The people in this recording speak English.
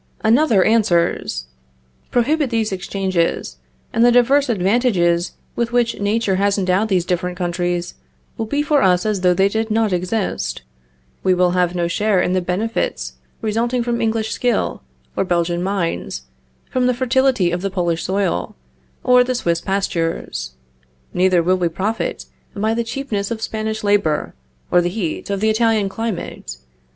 Another answers: Prohibit these exchanges, and the divers advantages with which nature has endowed these different countries, will be for us as though they did not exist. We will have no share in the benefits resulting from English skill, or Belgian mines, from the fertility of the Polish soil, or the Swiss pastures; neither will we profit by the cheapness of Spanish labor, or the heat of the Italian climate.